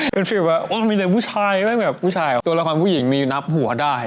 เป็นฟิลแบบว่ามีแต่ผู้ชายไม่แบบผู้ชายเหรอตัวละครผู้หญิงมีนับหัวได้